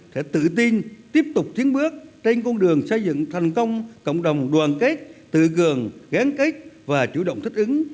sẽ tự tin tiếp tục tiến bước trên con đường xây dựng thành công cộng đồng đoàn kết tự gường gán kết và chủ động thích ứng